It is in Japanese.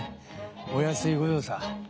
お安いご用さ。